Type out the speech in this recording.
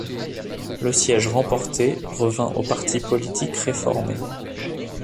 Le siège remporté revint au Parti politique réformé.